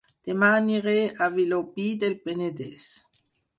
Dema aniré a Vilobí del Penedès